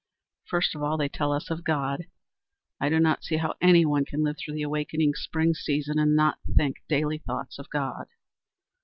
First of all they tell us of God. I do not see how any one can live through the awakening spring season and not think daily thoughts of God.